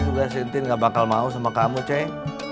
juga si intin ga bakal mau sama kamu ceng